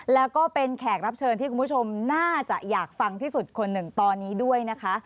แล้วก็เป็นแขกรับเชิญที่คุณผู้ชมน่าจะอยากฟังที่สุดคนหนึ่งตอนนี้ด้วยนะคะ